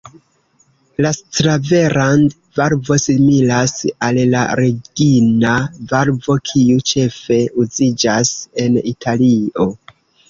La „Sclaverand“-valvo similas al la "Regina-valvo", kiu ĉefe uziĝas en Italio.